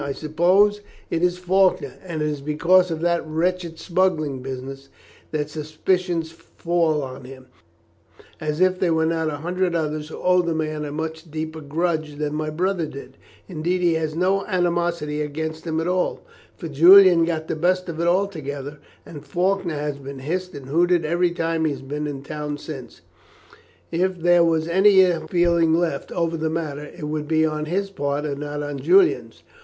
I suppose it is Faulkner, and it is because of that wretched smuggling business that suspicions fall on him, as if there were not a hundred others who owe the man a much deeper grudge than my brother did; indeed he had no animosity against him at all, for Julian got the best of it altogether, and Faulkner has been hissed and hooted every time he has been in the town since. If there was any ill feeling left over that matter, it would be on his part and not on Julian's.